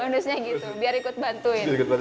bonusnya gitu biar ikut bantuin